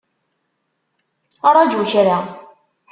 Ṛaju kra!